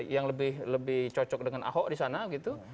yang lebih cocok dengan ahok di sana gitu